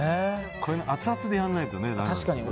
これ、アツアツでやらないとね。